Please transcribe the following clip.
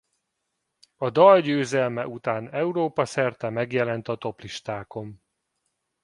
A dal győzelme után Európa-szerte megjelent a toplistákon.